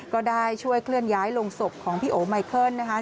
ก็ได้ช่วยเคลื่อนย้ายลงศพของพี่โอไมเคิลนะคะ